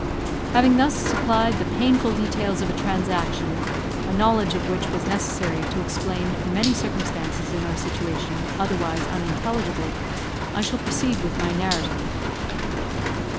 Having thus supplied the painful details of a transaction, a knowledge of which was necessary to explain many circumstances in our situation, otherwise unintelligible, I shall proceed with my narrative.